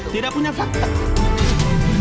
tidak punya dampak tidak punya fakta